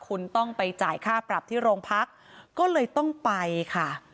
คุณต้องไปจ่ายค่าปรับที่โรงพักก็เลยต้องไปค่ะ